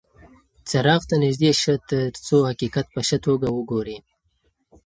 څراغ ته نږدې شه ترڅو حقیقت په ښه توګه وګورې.